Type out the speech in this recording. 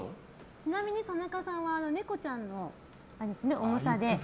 ちなみに田中さんは猫ちゃんの重さで。